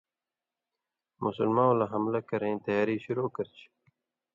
مسلمؤں لا حملہ کَرئیں تیاری شُروع کرہ چھی۔